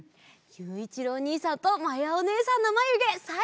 ゆういちろうおにいさんとまやおねえさんのまゆげさいこう！